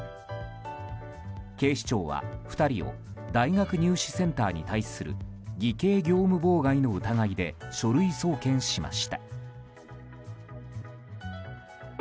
警視庁は、２人を大学入試センターに対する偽計業務妨害の疑いで書類送検しました。